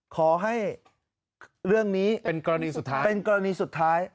ขอให้เรื่องนี้เป็นกรณีสุดท้ายเป็นกรณีสุดท้าย